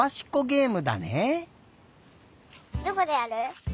どこでやる？